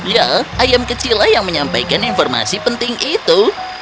ya ayam kecil lah yang menyampaikan informasi penting itu